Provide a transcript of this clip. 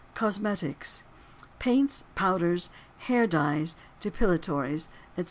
COSMETICS. Paints, powders, hair dyes, depilatories, etc.